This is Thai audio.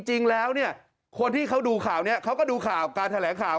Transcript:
จริงแล้วเนี่ยคนที่เขาดูข่าวนี้เขาก็ดูข่าวการแถลงข่าว